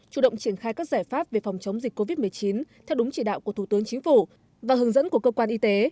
chủ động triển khai các giải pháp về phòng chống dịch covid một mươi chín theo đúng chỉ đạo của thủ tướng chính phủ và hướng dẫn của cơ quan y tế